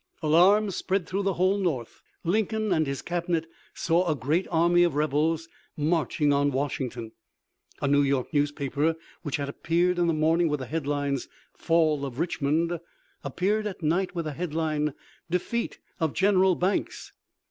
Alarm spread through the whole North. Lincoln and his Cabinet saw a great army of rebels marching on Washington. A New York newspaper which had appeared in the morning with the headline, "Fall of Richmond," appeared at night with the headline "Defeat of General Banks."